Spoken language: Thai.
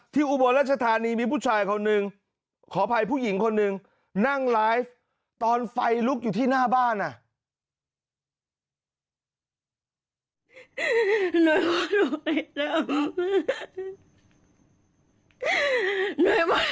อุบลรัชธานีมีผู้ชายคนหนึ่งขออภัยผู้หญิงคนหนึ่งนั่งไลฟ์ตอนไฟลุกอยู่ที่หน้าบ้านอ่ะ